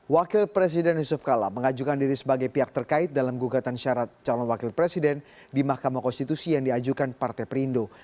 wakil presiden yusuf kala mengajukan diri sebagai pihak terkait dalam gugatan syarat calon wakil presiden di mahkamah konstitusi yang diajukan partai perindo